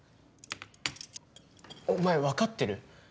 お前分かってる？